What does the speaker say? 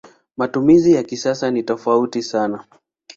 Matumizi ya kisasa ni tofauti sana.